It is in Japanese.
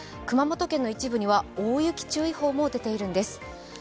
熊本県の一部には大雪注意報も出ているんです。